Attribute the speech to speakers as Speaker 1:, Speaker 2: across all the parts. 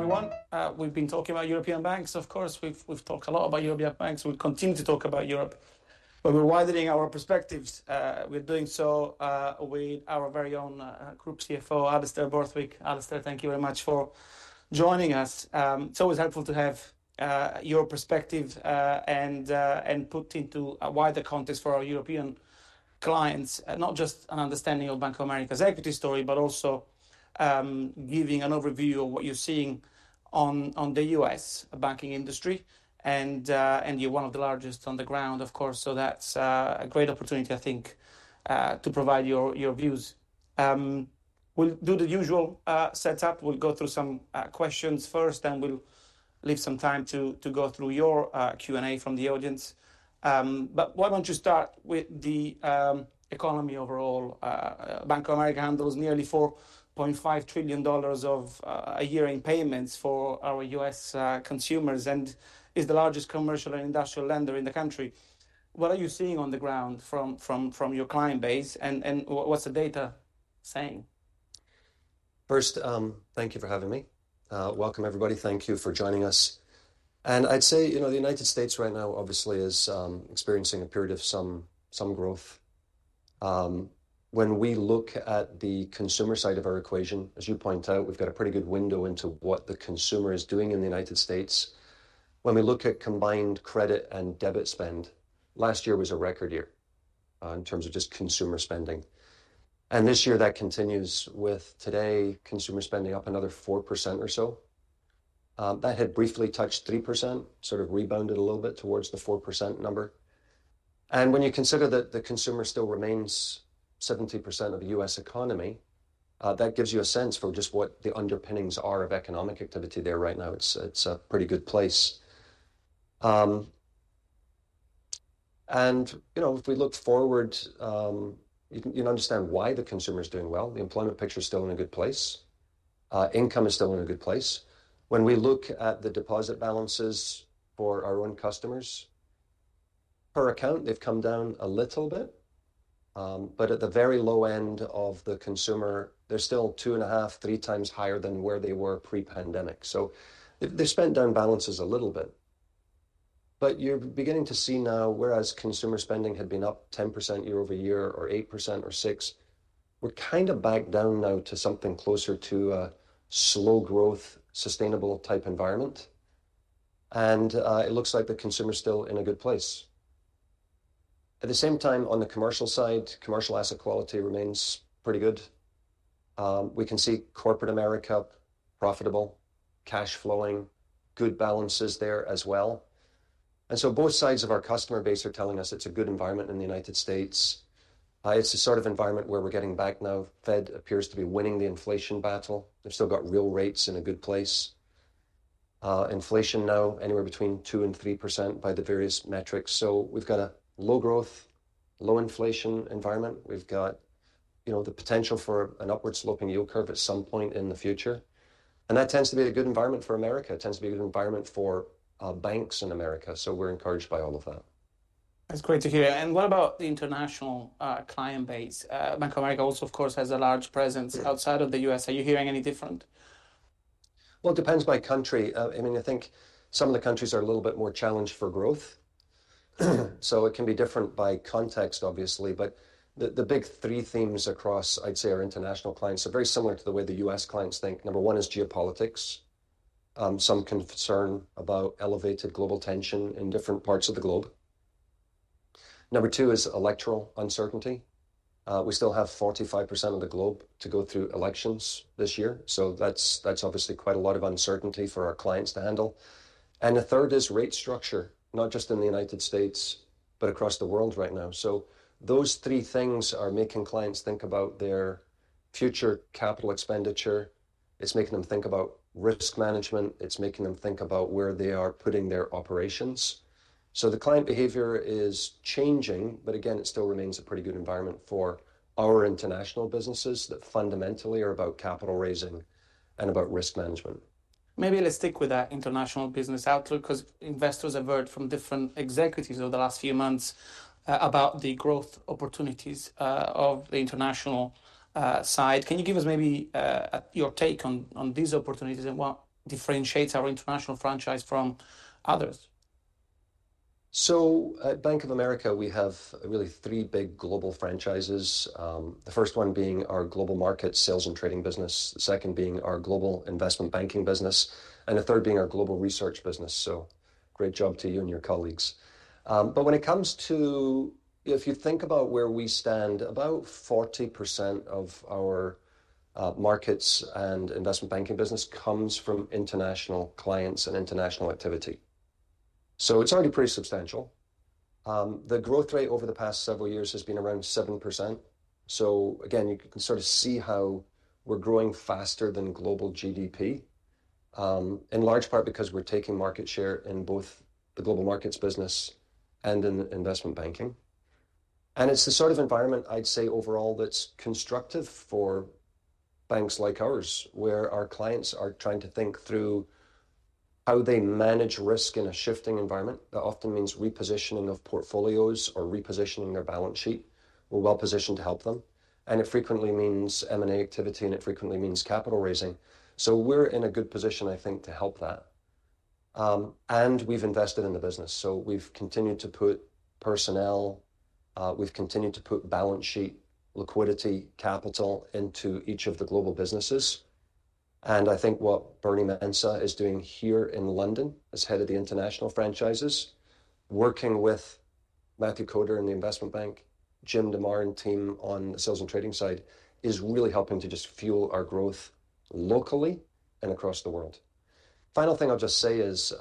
Speaker 1: Good morning, everyone. We've been talking about European banks. Of course, we've talked a lot about European banks. We'll continue to talk about Europe, but we're widening our perspectives. We're doing so with our very own Group CFO, Alastair Borthwick. Alastair, thank you very much for joining us. It's always helpful to have your perspective and put into a wider context for our European clients, not just an understanding of Bank of America's equity story, but also giving an overview of what you're seeing on the U.S. banking industry, and you're one of the largest on the ground, of course, so that's a great opportunity, I think, to provide your views. We'll do the usual setup. We'll go through some questions first, then we'll leave some time to go through your Q&A from the audience, but why don't you start with the economy overall? Bank of America handles nearly $4.5 trillion a year in payments for our U.S. consumers, and is the largest commercial and industrial lender in the country. What are you seeing on the ground from your client base, and what's the data saying?
Speaker 2: First, thank you for having me. Welcome, everybody. Thank you for joining us. And I'd say, you know, the United States right now obviously is experiencing a period of some growth. When we look at the consumer side of our equation, as you point out, we've got a pretty good window into what the consumer is doing in the United States. When we look at combined credit and debit spend, last year was a record year in terms of just consumer spending, and this year that continues with today consumer spending up another 4% or so. That had briefly touched 3%, sort of rebounded a little bit towards the 4% number. And when you consider that the consumer still remains 70% of the U.S. economy, that gives you a sense for just what the underpinnings are of economic activity there right now. It's a pretty good place, and you know, if we look forward, you can understand why the consumer is doing well. The employment picture is still in a good place. Income is still in a good place. When we look at the deposit balances for our own customers, per account, they've come down a little bit, but at the very low end of the consumer, they're still two and a half, three times higher than where they were pre-pandemic. So they've spent down balances a little bit. But you're beginning to see now, whereas consumer spending had been up 10% year over year, or 8%, or 6%, we're kind of back down now to something closer to a slow growth, sustainable-type environment, and it looks like the consumer's still in a good place. At the same time, on the commercial side, commercial asset quality remains pretty good. We can see corporate America profitable, cash flowing, good balances there as well. And so both sides of our customer base are telling us it's a good environment in the United States. It's the sort of environment where we're getting back now. Fed appears to be winning the inflation battle. They've still got real rates in a good place. Inflation now anywhere between 2% and 3% by the various metrics. So we've got a low growth, low inflation environment. We've got, you know, the potential for an upward-sloping yield curve at some point in the future, and that tends to be a good environment for America. It tends to be a good environment for banks in America, so we're encouraged by all of that.
Speaker 1: That's great to hear. And what about the international client base? Bank of America also, of course, has a large presence outside of the U.S. Are you hearing any different?
Speaker 2: It depends by country. I mean, I think some of the countries are a little bit more challenged for growth, so it can be different by context, obviously. The big three themes across, I'd say, our international clients are very similar to the way the U.S. clients think. Number one is geopolitics, some concern about elevated global tension in different parts of the globe. Number two is electoral uncertainty. We still have 45% of the globe to go through elections this year, so that's obviously quite a lot of uncertainty for our clients to handle. The third is rate structure, not just in the United States, but across the world right now. So those three things are making clients think about their future capital expenditure. It's making them think about risk management. It's making them think about where they are putting their operations. So the client behavior is changing, but again, it still remains a pretty good environment for our international businesses that fundamentally are about capital raising and about risk management.
Speaker 1: Maybe let's stick with that international business outlook, 'cause investors have heard from different executives over the last few months about the growth opportunities of the international side. Can you give us maybe your take on these opportunities and what differentiates our international franchise from others?
Speaker 2: So at Bank of America, we have really three big global franchises, the first one being our Global Markets sales and trading business, the second being our Global Investment Banking business, and the third being our Global Research business. So great job to you and your colleagues. But when it comes to, if you think about where we stand, about 40% of our markets and investment banking business comes from international clients and international activity, so it's already pretty substantial. The growth rate over the past several years has been around 7%. So again, you can sort of see how we're growing faster than global GDP, in large part because we're taking market share in both the global markets business and in investment banking. It's the sort of environment, I'd say, overall, that's constructive for banks like ours, where our clients are trying to think through how they manage risk in a shifting environment, that often means repositioning of portfolios or repositioning their balance sheet. We're well positioned to help them, and it frequently means M&A activity, and it frequently means capital raising. So we're in a good position, I think, to help that. And we've invested in the business, so we've continued to put personnel, we've continued to put balance sheet liquidity, capital into each of the global businesses. I think what Bernie Mensah is doing here in London, as head of the international franchises, working with Matthew Koder in the investment bank, Jim DeMare and team on the sales and trading side, is really helping to just fuel our growth locally and across the world. Final thing I'll just say is,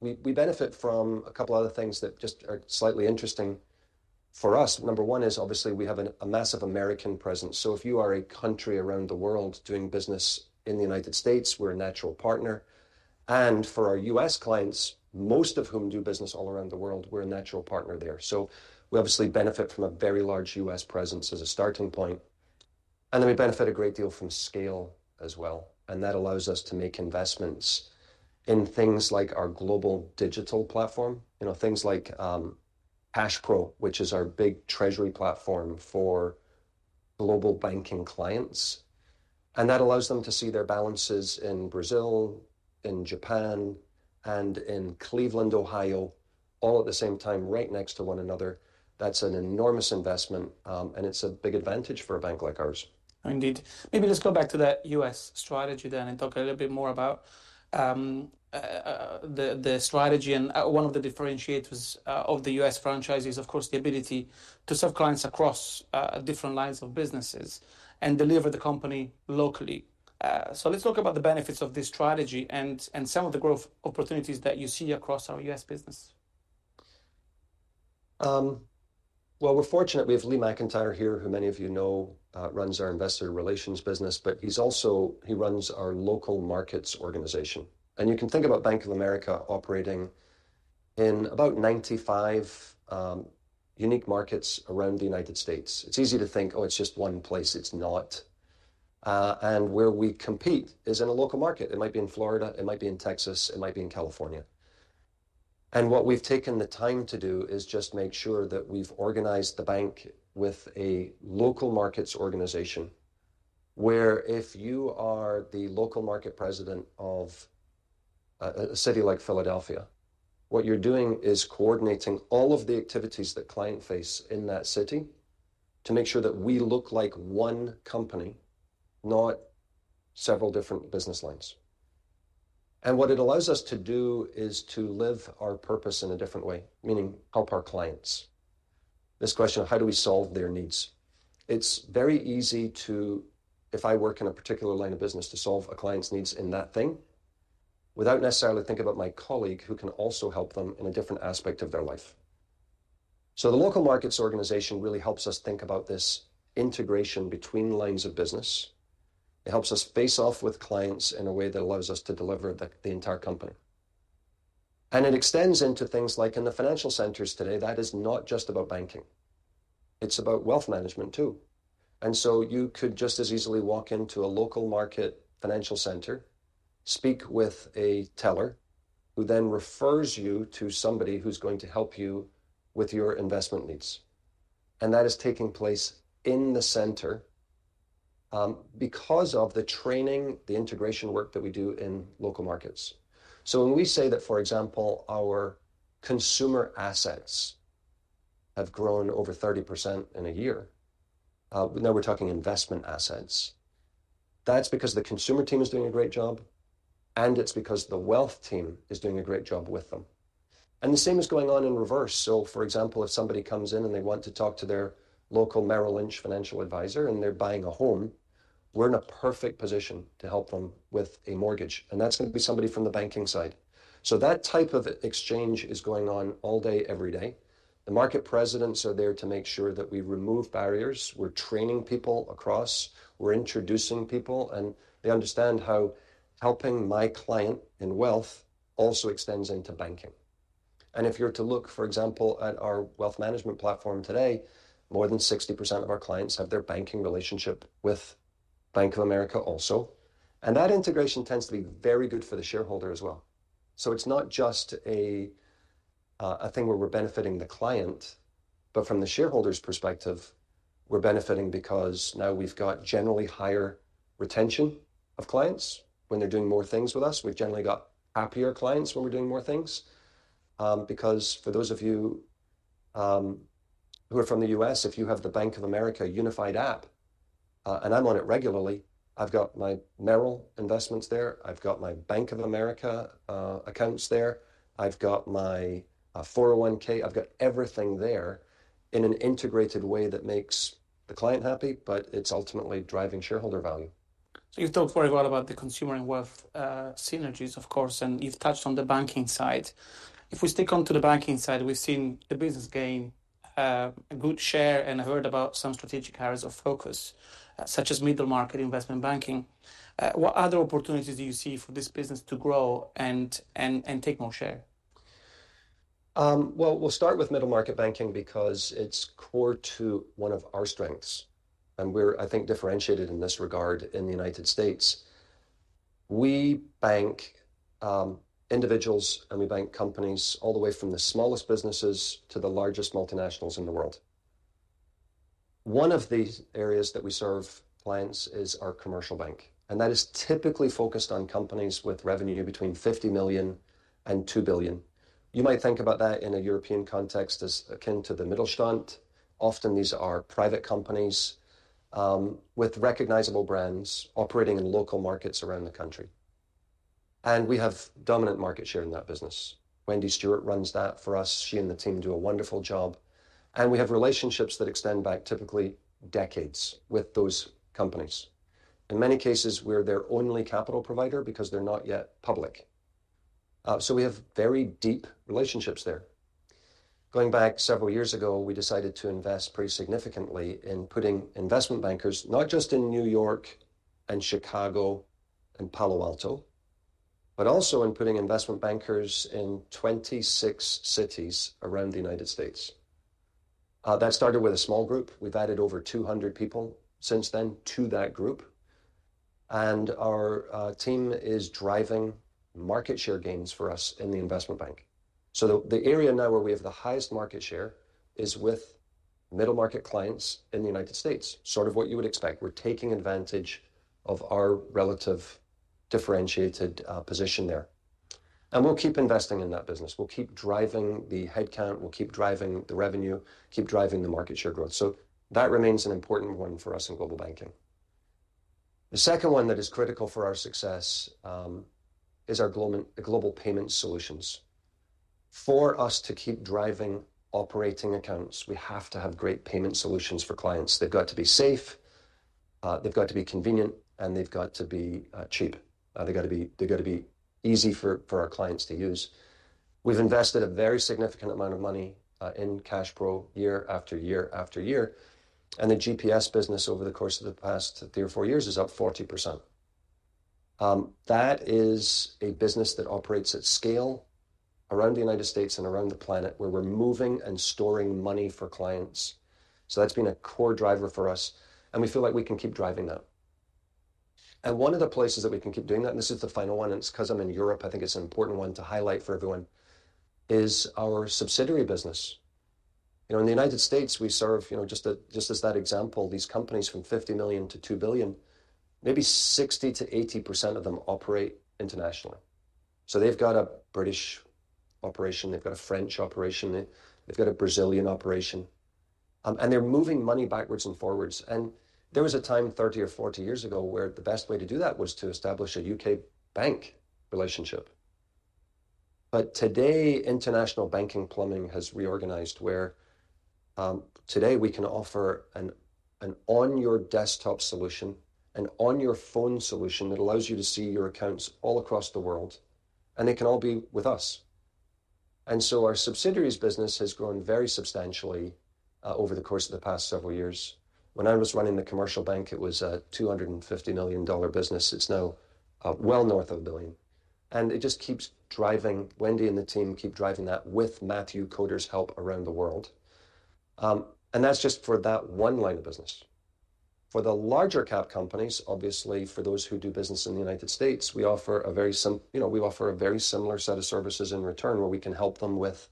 Speaker 2: we benefit from a couple other things that just are slightly interesting for us. Number one is, obviously, we have a massive American presence. So if you are a country around the world doing business in the United States, we're a natural partner, and for our U.S. clients, most of whom do business all around the world, we're a natural partner there. So we obviously benefit from a very large U.S. presence as a starting point, and then we benefit a great deal from scale as well, and that allows us to make investments in things like our global digital platform. You know, things like, CashPro, which is our big treasury platform for Global Banking clients, and that allows them to see their balances in Brazil, in Japan, and in Cleveland, Ohio, all at the same time, right next to one another. That's an enormous investment, and it's a big advantage for a bank like ours.
Speaker 1: Indeed. Maybe let's go back to that U.S. strategy then, and talk a little bit more about the strategy and one of the differentiators of the U.S. franchises, of course, the ability to serve clients across different lines of businesses and deliver the company locally. So let's talk about the benefits of this strategy and some of the growth opportunities that you see across our U.S. business.
Speaker 2: Well, we're fortunate. We have Lee McEntire here, who many of you know, runs our investor relations business, but he's also he runs our Local Markets organization. And you can think about Bank of America operating in about 95 unique markets around the United States. It's easy to think, "Oh, it's just one place." It's not. And where we compete is in a local market. It might be in Florida, it might be in Texas, it might be in California. And what we've taken the time to do is just make sure that we've organized the bank with a Local Markets organization, where if you are the local market president of a city like Philadelphia, what you're doing is coordinating all of the activities that client face in that city to make sure that we look like one company, not several different business lines. What it allows us to do is to live our purpose in a different way, meaning help our clients. This question of how do we solve their needs? It's very easy to... if I work in a particular line of business, to solve a client's needs in that thing, without necessarily thinking about my colleague, who can also help them in a different aspect of their life. So the Local Markets organization really helps us think about this integration between lines of business. It helps us face off with clients in a way that allows us to deliver the entire company, and it extends into things like in the financial centers today, that is not just about banking, it's about wealth management, too. And so you could just as easily walk into a local market Financial Center, speak with a teller, who then refers you to somebody who's going to help you with your investment needs, and that is taking place in the center, because of the training, the integration work that we do in local markets, so when we say that, for example, our consumer assets have grown over 30% in a year, now we're talking investment assets, that's because the consumer team is doing a great job, and it's because the wealth team is doing a great job with them, and the same is going on in reverse. So, for example, if somebody comes in and they want to talk to their local Merrill Lynch financial advisor, and they're buying a home, we're in a perfect position to help them with a mortgage, and that's going to be somebody from the banking side. So that type of exchange is going on all day, every day. The market presidents are there to make sure that we remove barriers. We're training people across, we're introducing people, and they understand how helping my client in wealth also extends into banking. And if you're to look, for example, at our wealth management platform today, more than 60% of our clients have their banking relationship with Bank of America also, and that integration tends to be very good for the shareholder as well. So it's not just a thing where we're benefiting the client, but from the shareholder's perspective, we're benefiting because now we've got generally higher retention of clients when they're doing more things with us. We've generally got happier clients when we're doing more things, because for those of you who are from the U.S., if you have the Bank of America unified app, and I'm on it regularly, I've got my Merrill investments there, I've got my Bank of America accounts there, I've got my 401(k). I've got everything there in an integrated way that makes the client happy, but it's ultimately driving shareholder value.
Speaker 1: So you've talked very well about the consumer and wealth synergies, of course, and you've touched on the banking side. If we stick on to the banking side, we've seen the business gain a good share and heard about some strategic areas of focus, such as middle market investment banking. What other opportunities do you see for this business to grow and take more share?...
Speaker 2: Well, we'll start with middle market banking because it's core to one of our strengths, and we're, I think, differentiated in this regard in the United States. We bank, individuals, and we bank companies all the way from the smallest businesses to the largest multinationals in the world. One of these areas that we serve clients is our commercial bank, and that is typically focused on companies with revenue between $50 million and $2 billion. You might think about that in a European context as akin to the Mittelstand. Often, these are private companies, with recognizable brands operating in local markets around the country, and we have dominant market share in that business. Wendy Stewart runs that for us. She and the team do a wonderful job, and we have relationships that extend back typically decades with those companies. In many cases, we're their only capital provider because they're not yet public. So we have very deep relationships there. Going back several years ago, we decided to invest pretty significantly in putting investment bankers, not just in New York and Chicago and Palo Alto, but also in putting investment bankers in 26 cities around the United States. That started with a small group. We've added over two hundred people since then to that group, and our team is driving market share gains for us in the investment bank. So the area now where we have the highest market share is with middle-market clients in the United States, sort of what you would expect. We're taking advantage of our relative differentiated position there, and we'll keep investing in that business. We'll keep driving the headcount, we'll keep driving the revenue, keep driving the market share growth, so that remains an important one for us in Global Banking. The second one that is critical for our success is our Global Payment Solutions. For us to keep driving operating accounts, we have to have great payment solutions for clients. They've got to be safe, they've got to be convenient, and they've got to be cheap. They've gotta be easy for our clients to use. We've invested a very significant amount of money in CashPro year after year after year, and the GPS business over the course of the past three or four years is up 40%. That is a business that operates at scale around the United States and around the planet, where we're moving and storing money for clients. So that's been a core driver for us, and we feel like we can keep driving that. And one of the places that we can keep doing that, and this is the final one, and it's 'cause I'm in Europe, I think it's an important one to highlight for everyone, is our subsidiary business. You know, in the United States, we serve, you know, just, just as that example, these companies from $50 million-$2 billion, maybe 60%-80% of them operate internationally. So they've got a British operation, they've got a French operation, they've got a Brazilian operation, and they're moving money backwards and forwards. There was a time, 30 or 40 years ago, where the best way to do that was to establish a U.K. bank relationship. Today, international banking plumbing has reorganized, where today we can offer an on-your-desktop solution, an on-your-phone solution that allows you to see your accounts all across the world, and it can all be with us. Our subsidiaries business has grown very substantially over the course of the past several years. When I was running the commercial bank, it was a $250 million business. It's now well north of $1 billion, and it just keeps driving. Wendy and the team keep driving that with Matthew Koder's help around the world. That's just for that one line of business. For the larger cap companies, obviously, for those who do business in the United States, we offer a very similar set of services in return, where we can help them with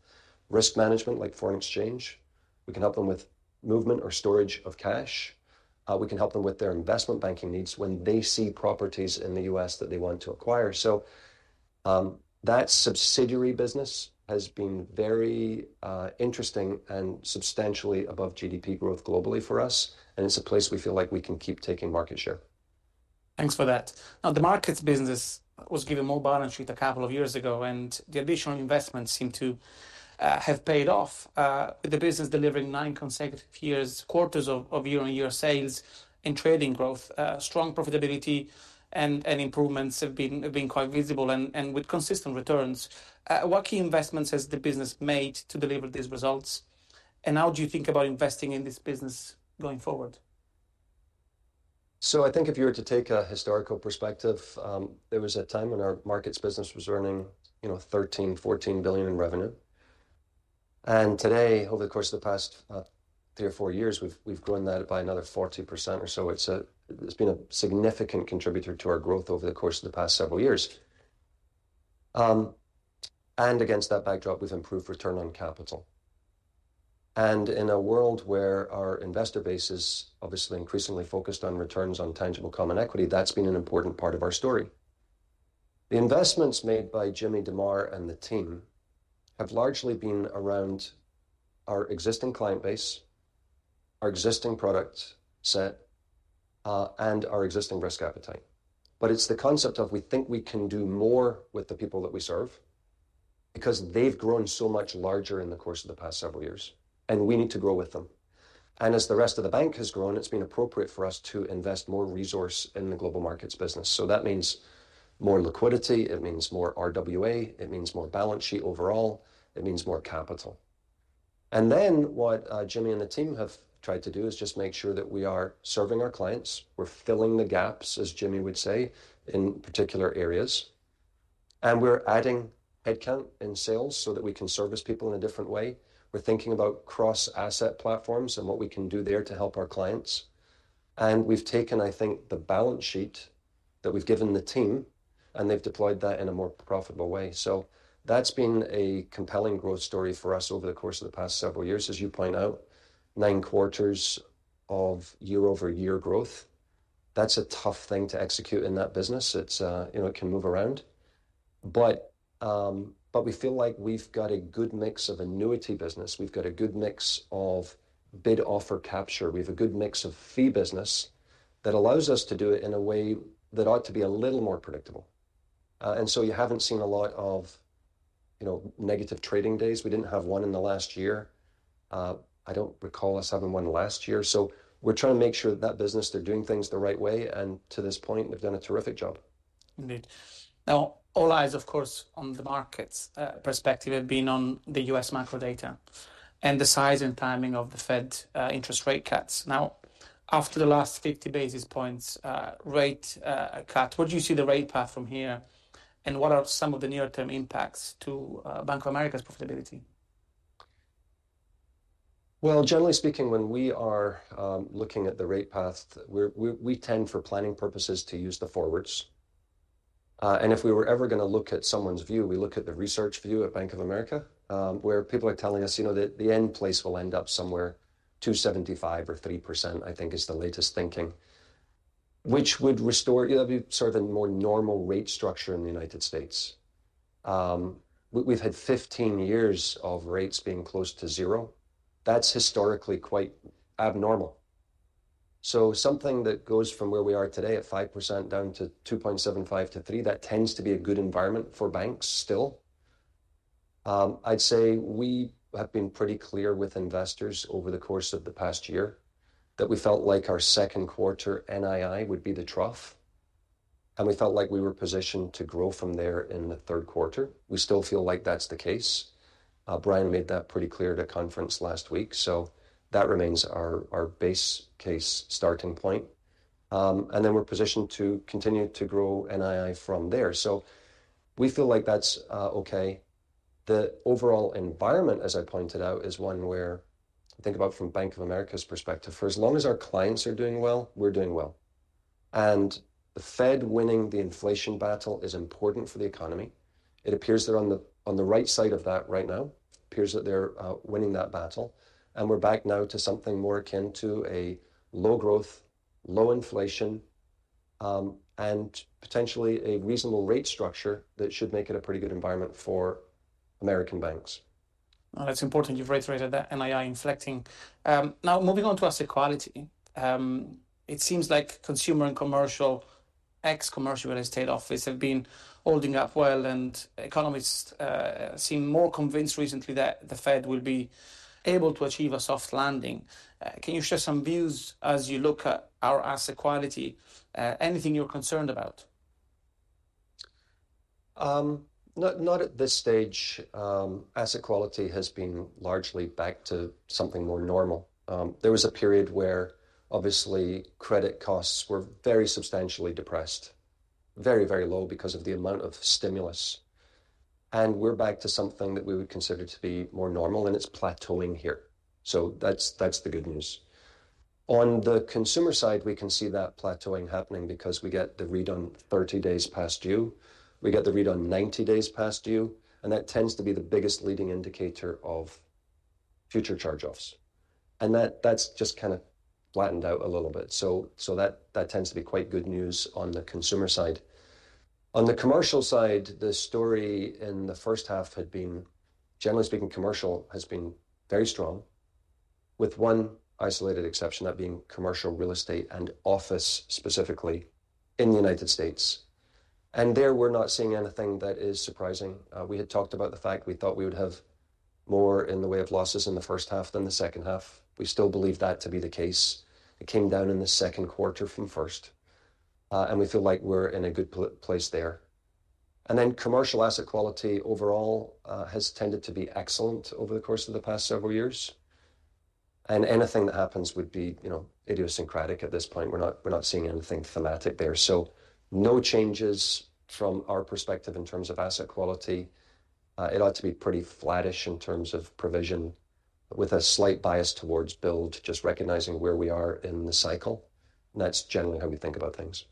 Speaker 2: risk management, like foreign exchange. We can help them with movement or storage of cash. We can help them with their investment banking needs when they see properties in the US that they want to acquire. That subsidiary business has been very interesting and substantially above GDP growth globally for us, and it's a place we feel like we can keep taking market share.
Speaker 1: Thanks for that. Now, the markets business was given more balance sheet a couple of years ago, and the additional investments seem to have paid off with the business delivering nine consecutive quarters of year-on-year sales and trading growth, strong profitability and improvements have been quite visible and with consistent returns. What key investments has the business made to deliver these results, and how do you think about investing in this business going forward?
Speaker 2: So I think if you were to take a historical perspective, there was a time when our markets business was earning, you know, $13-14 billion in revenue, and today, over the course of the past, three or four years, we've grown that by another 40% or so. It's a... It's been a significant contributor to our growth over the course of the past several years. And against that backdrop, we've improved return on capital, and in a world where our investor base is obviously increasingly focused on returns on tangible common equity, that's been an important part of our story. The investments made by Jim DeMare and the team have largely been around our existing client base, our existing product set, and our existing risk appetite. But it's the concept of we think we can do more with the people that we serve because they've grown so much larger in the course of the past several years, and we need to grow with them. And as the rest of the bank has grown, it's been appropriate for us to invest more resource in the global markets business, so that means more liquidity, it means more RWA, it means more balance sheet overall, it means more capital... and then what, Jimmy and the team have tried to do is just make sure that we are serving our clients, we're filling the gaps, as Jimmy would say, in particular areas, and we're adding headcount in sales so that we can service people in a different way. We're thinking about cross-asset platforms and what we can do there to help our clients, and we've taken, I think, the balance sheet that we've given the team, and they've deployed that in a more profitable way. So that's been a compelling growth story for us over the course of the past several years. As you point out, nine quarters of year-over-year growth, that's a tough thing to execute in that business. It's, you know, it can move around. But we feel like we've got a good mix of annuity business. We've got a good mix of bid offer capture. We have a good mix of fee business that allows us to do it in a way that ought to be a little more predictable. And so you haven't seen a lot of, you know, negative trading days. We didn't have one in the last year. I don't recall us having one last year, so we're trying to make sure that that business, they're doing things the right way, and to this point, they've done a terrific job.
Speaker 1: Indeed. Now, all eyes, of course, on the markets' perspective have been on the U.S. macro data and the size and timing of the Fed interest rate cuts. Now, after the last fifty basis points rate cut, what do you see the rate path from here, and what are some of the near-term impacts to Bank of America's profitability?
Speaker 2: Generally speaking, when we are looking at the rate path, we tend, for planning purposes, to use the forwards. And if we were ever gonna look at someone's view, we look at the research view at Bank of America, where people are telling us, you know, the end place will end up somewhere, 2.75% or 3%, I think is the latest thinking, which would restore... It'll be sort of a more normal rate structure in the United States. We've had fifteen years of rates being close to zero. That's historically quite abnormal. So something that goes from where we are today at 5% down to 2.75% - 3%, that tends to be a good environment for banks still. I'd say we have been pretty clear with investors over the course of the past year that we felt like our second quarter NII would be the trough, and we felt like we were positioned to grow from there in the third quarter. We still feel like that's the case. Brian made that pretty clear at a conference last week, so that remains our base case starting point, and then we're positioned to continue to grow NII from there, so we feel like that's okay. The overall environment, as I pointed out, is one where, think about from Bank of America's perspective, for as long as our clients are doing well, we're doing well, and the Fed winning the inflation battle is important for the economy. It appears they're on the right side of that right now. It appears that they're winning that battle, and we're back now to something more akin to a low growth, low inflation, and potentially a reasonable rate structure that should make it a pretty good environment for American banks.
Speaker 1: That's important you've reiterated that NII inflecting. Now moving on to asset quality, it seems like consumer and commercial, ex commercial real estate office, have been holding up well, and economists seem more convinced recently that the Fed will be able to achieve a soft landing. Can you share some views as you look at our asset quality? Anything you're concerned about?
Speaker 2: Not at this stage. Asset quality has been largely back to something more normal. There was a period where obviously credit costs were very substantially depressed, very, very low because of the amount of stimulus, and we're back to something that we would consider to be more normal, and it's plateauing here. So that's, that's the good news. On the consumer side, we can see that plateauing happening because we get the read on thirty days past due, we get the read on ninety days past due, and that tends to be the biggest leading indicator of future charge-offs, and that, that's just kind of flattened out a little bit. So, so that, that tends to be quite good news on the consumer side. On the commercial side, the story in the first half had been, generally speaking, commercial has been very strong, with one isolated exception, that being commercial real estate and office, specifically in the United States, and there we're not seeing anything that is surprising. We had talked about the fact we thought we would have more in the way of losses in the first half than the second half. We still believe that to be the case. It came down in the second quarter from first, and we feel like we're in a good place there. Then commercial asset quality overall has tended to be excellent over the course of the past several years, and anything that happens would be, you know, idiosyncratic at this point. We're not seeing anything thematic there. So no changes from our perspective in terms of asset quality. It ought to be pretty flattish in terms of provision, with a slight bias towards build, just recognizing where we are in the cycle. That's generally how we think about things.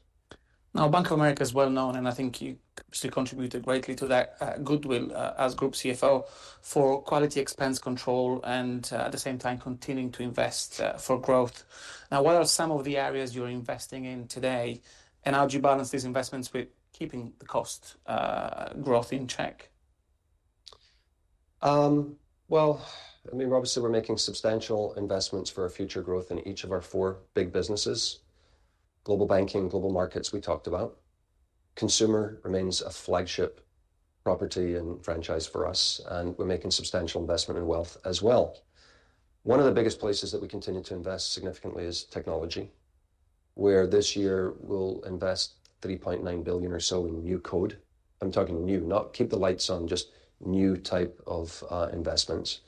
Speaker 1: Now, Bank of America is well known, and I think you still contributed greatly to that goodwill as group CFO for quality expense control and, at the same time, continuing to invest for growth. Now, what are some of the areas you're investing in today, and how do you balance these investments with keeping the cost growth in check?
Speaker 2: Well, I mean, obviously we're making substantial investments for our future growth in each of our four big businesses. Global Banking, Global Markets, we talked about. Consumer remains a flagship property and franchise for us, and we're making substantial investment in wealth as well. One of the biggest places that we continue to invest significantly is technology, where this year we'll invest $3.9 billion or so in new code. I'm talking new, not keep the lights on, just new type of investments.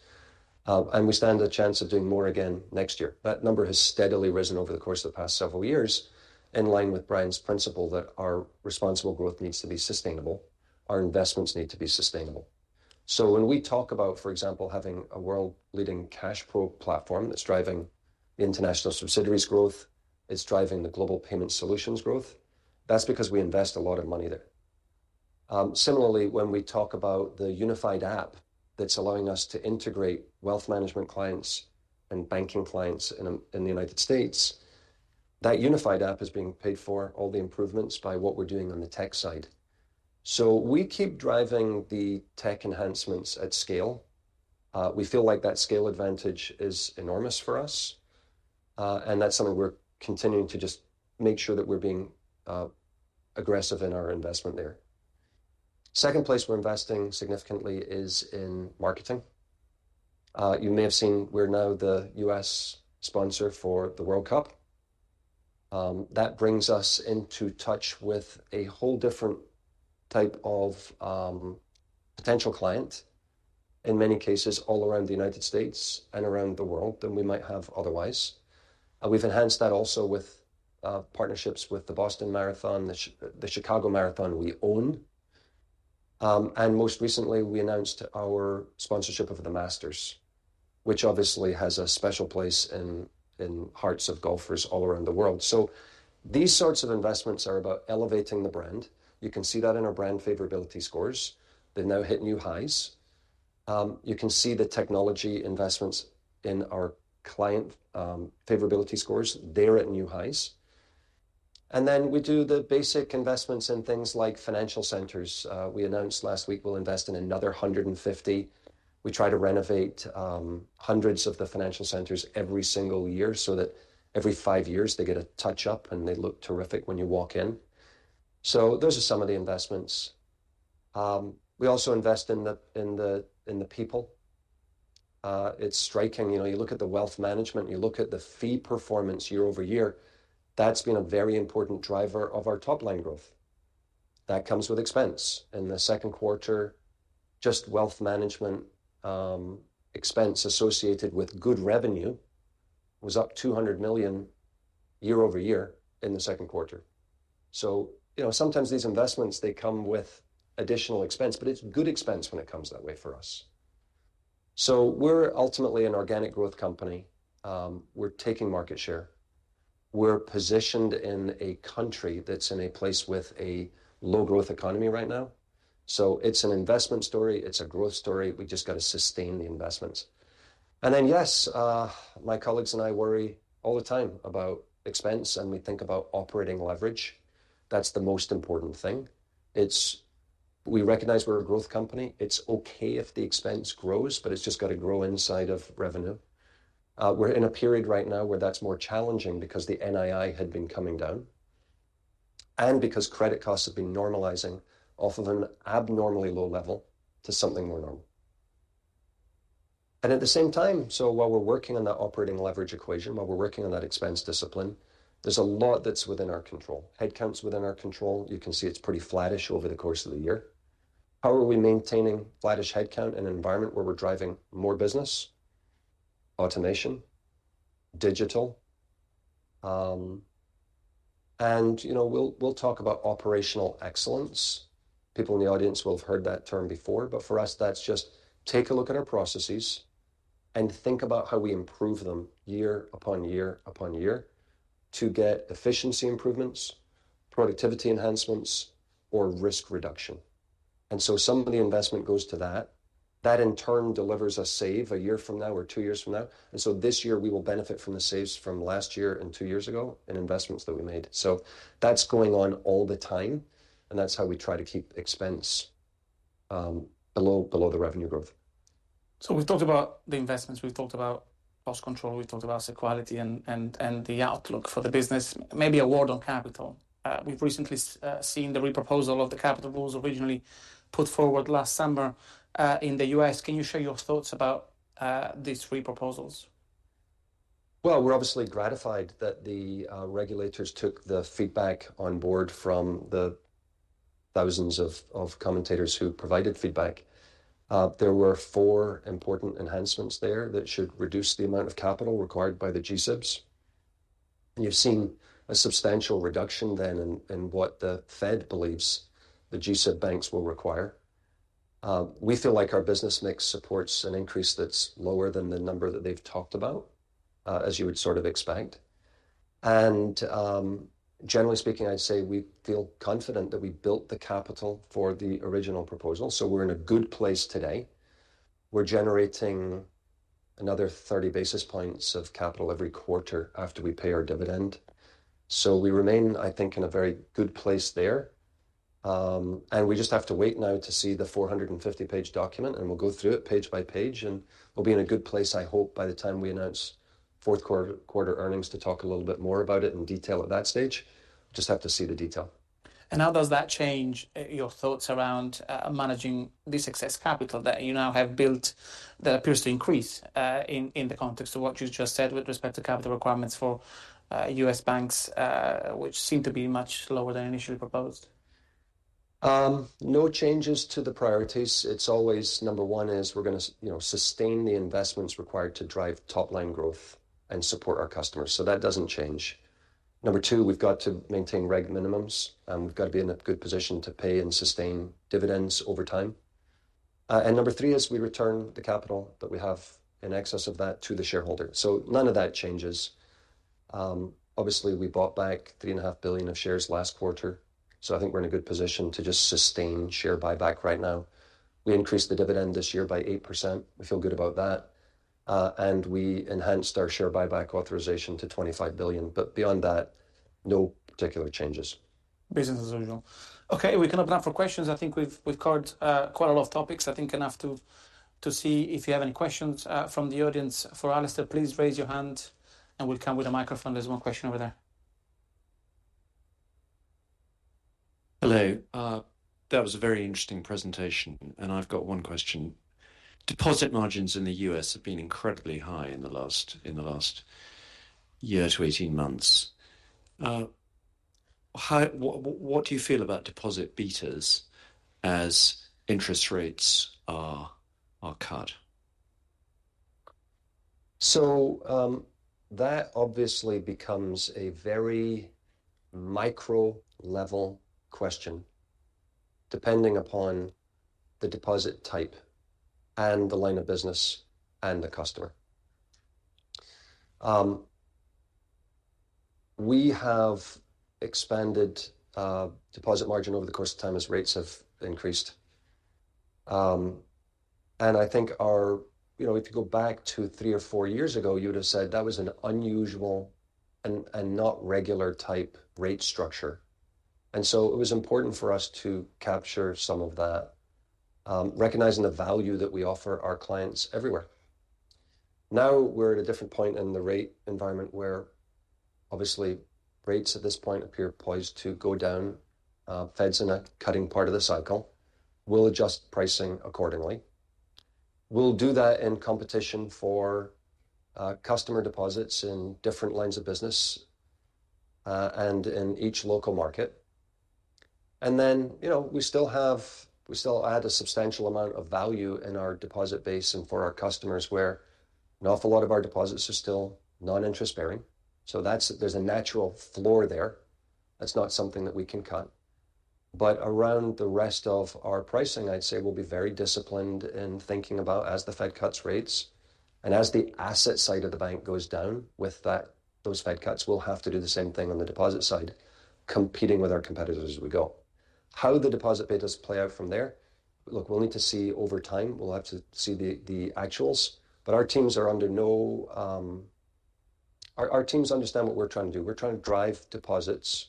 Speaker 2: And we stand a chance of doing more again next year. That number has steadily risen over the course of the past several years, in line with Brian's principle that our responsible growth needs to be sustainable, our investments need to be sustainable. So when we talk about, for example, having a world-leading Cash flow platform that's driving the international subsidiaries' growth, it's driving the Global Payment Solutions growth, that's because we invest a lot of money there. Similarly, when we talk about the unified app that's allowing us to integrate wealth management clients and banking clients in the United States, that unified app is being paid for, all the improvements, by what we're doing on the tech side. So we keep driving the tech enhancements at scale. We feel like that scale advantage is enormous for us, and that's something we're continuing to just make sure that we're being aggressive in our investment there. Second place we're investing significantly is in marketing. You may have seen we're now the U.S. sponsor for the World Cup. That brings us into touch with a whole different type of potential client, in many cases, all around the United States and around the world than we might have otherwise. We've enhanced that also with partnerships with the Boston Marathon, the Chicago Marathon we own. And most recently, we announced our sponsorship of the Masters, which obviously has a special place in hearts of golfers all around the world. These sorts of investments are about elevating the brand. You can see that in our brand favorability scores. They've now hit new highs. You can see the technology investments in our client favorability scores; they're at new highs. And then we do the basic investments in things like financial centers. We announced last week we'll invest in another 150. We try to renovate hundreds of the Financial Centers every single year, so that every five years they get a touch-up, and they look terrific when you walk in. So those are some of the investments. We also invest in the people. It's striking. You know, you look at the Wealth Management, you look at the fee performance year over year, that's been a very important driver of our top-line growth. That comes with expense. In the second quarter, just Wealth Management, expense associated with good revenue was up $200 million year over year in the second quarter. So, you know, sometimes these investments, they come with additional expense, but it's good expense when it comes that way for us. So we're ultimately an organic growth company. We're taking market share. We're positioned in a country that's in a place with a low growth economy right now, so it's an investment story, it's a growth story. We've just got to sustain the investments, and then, yes, my colleagues and I worry all the time about expense, and we think about operating leverage. That's the most important thing. We recognize we're a growth company. It's okay if the expense grows, but it's just got to grow inside of revenue. We're in a period right now where that's more challenging because the NII had been coming down, and because credit costs have been normalizing off of an abnormally low level to something more normal, and at the same time, so while we're working on that operating leverage equation, while we're working on that expense discipline, there's a lot that's within our control. Headcount's within our control. You can see it's pretty flattish over the course of the year. How are we maintaining flattish headcount in an environment where we're driving more business? Automation, digital, and, you know, we'll talk about Operational Excellence. People in the audience will have heard that term before, but for us, that's just take a look at our processes and think about how we improve them year upon year upon year to get efficiency improvements, productivity enhancements, or risk reduction. And so some of the investment goes to that. That, in turn, delivers a save a year from now or two years from now, and so this year we will benefit from the saves from last year and two years ago in investments that we made. So that's going on all the time, and that's how we try to keep expense below the revenue growth.
Speaker 1: So we've talked about the investments, we've talked about cost control, we've talked about security and the outlook for the business. Maybe a word on capital. We've recently seen the re-proposal of the capital rules originally put forward last summer in the U.S. Can you share your thoughts about these re-proposals?
Speaker 2: We're obviously gratified that the regulators took the feedback on board from the thousands of commentators who provided feedback. There were four important enhancements there that should reduce the amount of capital required by the G-SIBs. You've seen a substantial reduction then in what the Fed believes the G-SIB banks will require. We feel like our business mix supports an increase that's lower than the number that they've talked about, as you would sort of expect. Generally speaking, I'd say we feel confident that we built the capital for the original proposal, so we're in a good place today. We're generating another 30 basis points of capital every quarter after we pay our dividend. We remain, I think, in a very good place there. And we just have to wait now to see the 450-page document, and we'll go through it page by page, and we'll be in a good place, I hope, by the time we announce fourth quarter earnings, to talk a little bit more about it in detail at that stage. Just have to see the detail.
Speaker 1: How does that change your thoughts around managing the excess capital that you now have built that appears to increase in the context of what you just said with respect to capital requirements for U.S. banks, which seem to be much lower than initially proposed?
Speaker 2: No changes to the priorities. It's always number one is we're gonna you know, sustain the investments required to drive top-line growth and support our customers, so that doesn't change. Number two, we've got to maintain reg minimums, and we've got to be in a good position to pay and sustain dividends over time. And number three is we return the capital that we have in excess of that to the shareholder, so none of that changes. Obviously, we bought back $3.5 billion of shares last quarter, so I think we're in a good position to just sustain share buyback right now. We increased the dividend this year by 8%. We feel good about that. And we enhanced our share buyback authorization to $25 billion, but beyond that, no particular changes.
Speaker 1: Business as usual. Okay, we can open up for questions. I think we've covered quite a lot of topics. I think enough to see if you have any questions from the audience. For Alastair, please raise your hand, and we'll come with a microphone. There's one question over there. Hello. That was a very interesting presentation, and I've got one question. Deposit margins in the U.S. have been incredibly high in the last year to eighteen months. What do you feel about deposit betas as interest rates are cut?
Speaker 2: That obviously becomes a very micro-level question, depending upon the deposit type and the line of business and the customer. We have expanded deposit margin over the course of time as rates have increased. I think. You know, if you go back to three or four years ago, you would've said that was an unusual and not regular type rate structure. It was important for us to capture some of that, recognizing the value that we offer our clients everywhere. Now, we're at a different point in the rate environment where obviously, rates at this point appear poised to go down. Fed's in a cutting part of the cycle. We'll adjust pricing accordingly. We'll do that in competition for customer deposits in different lines of business and in each local market. And then, you know, we still add a substantial amount of value in our deposit base and for our customers, where an awful lot of our deposits are still non-interest bearing. So there's a natural floor there. That's not something that we can cut. But around the rest of our pricing, I'd say we'll be very disciplined in thinking about as the Fed cuts rates and as the asset side of the bank goes down with that, those Fed cuts, we'll have to do the same thing on the deposit side, competing with our competitors as we go. How the deposit betas play out from there, look, we'll need to see over time. We'll have to see the actuals. But our teams are under no. Our teams understand what we're trying to do. We're trying to drive deposits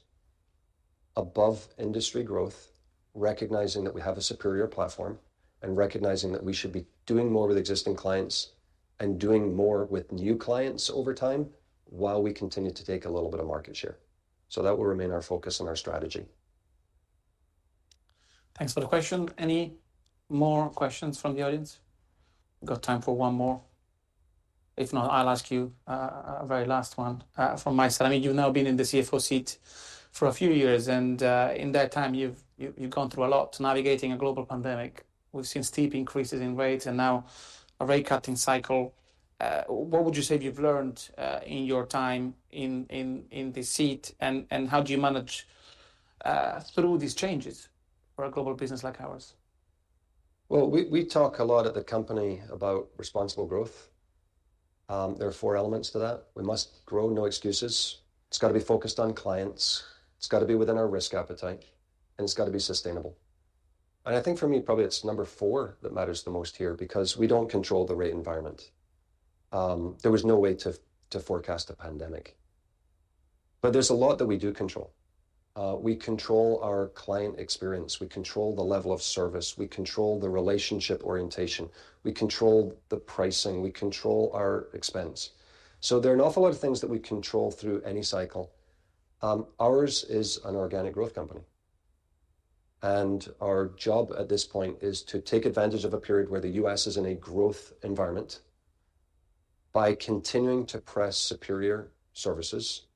Speaker 2: above industry growth, recognizing that we have a superior platform and recognizing that we should be doing more with existing clients and doing more with new clients over time, while we continue to take a little bit of market share. So that will remain our focus and our strategy.
Speaker 1: Thanks for the question. Any more questions from the audience? We've got time for one more. If not, I'll ask you a very last one from my side. I mean, you've now been in the CFO seat for a few years, and in that time you've gone through a lot, navigating a global pandemic. We've seen steep increases in rates and now a rate-cutting cycle. What would you say you've learned in your time in this seat, and how do you manage through these changes for a global business like ours?
Speaker 2: We talk a lot at the company about responsible growth. There are four elements to that. We must grow, no excuses. It's got to be focused on clients, it's got to be within our risk appetite, and it's got to be sustainable. And I think for me, probably it's number four that matters the most here, because we don't control the rate environment. There was no way to forecast a pandemic. But there's a lot that we do control. We control our client experience, we control the level of service, we control the relationship orientation, we control the pricing, we control our expense. So there are an awful lot of things that we control through any cycle. Ours is an organic growth company, and our job at this point is to take advantage of a period where the U.S. is in a growth environment by continuing to press superior services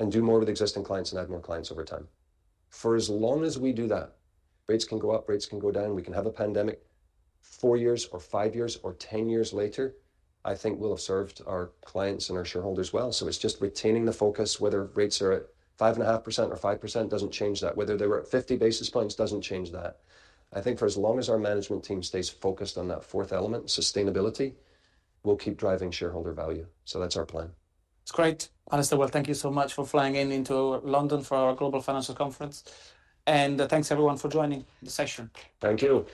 Speaker 2: and do more with existing clients and add more clients over time. For as long as we do that, rates can go up, rates can go down, we can have a pandemic. Four years or five years or 10 years later, I think we'll have served our clients and our shareholders well. So it's just retaining the focus. Whether rates are at 5.5% or 5% doesn't change that. Whether they were at 50 basis points doesn't change that. I think for as long as our management team stays focused on that fourth element, sustainability, we'll keep driving shareholder value. So that's our plan.
Speaker 1: It's great, Alastair. Well, thank you so much for flying into London for our global financial conference, and thanks, everyone, for joining the session.
Speaker 2: Thank you.